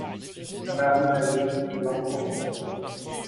Marie Mahieu (langue française).